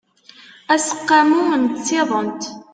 aseqqamu n tsiḍent